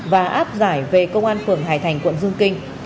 và áp giải về công an phường hải thành quận dương kinh